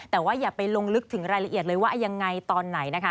แต่ว่าอย่าไปลงลึกถึงรายละเอียดเลยว่ายังไงตอนไหนนะคะ